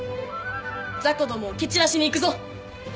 雑魚どもを蹴散らしにいくぞ」